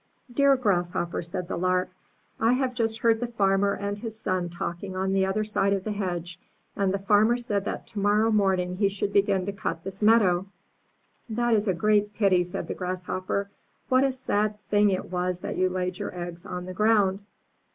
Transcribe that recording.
"Dear Grasshopper," said the Lark, '1 have just 366 UP ONE PAIR OF STAIRS heard the farmer and his son talking on the other side of the hedge, and the farmer said that to morrow morning he should begin to cut this meadow/' ''That is a great pity/' said the Grasshopper. ''What a sad thing it was that you laid your eggs on the ground!"